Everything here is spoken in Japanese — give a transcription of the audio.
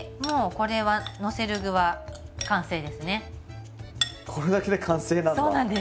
これだけで完成なんだ。